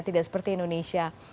tidak seperti indonesia